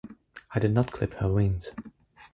I did not clip her wings.